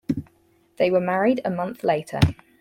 They were married a month later.